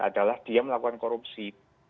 adalah dia melakukan korupsi